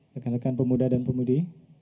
rekan rekan pemuda dan pemudi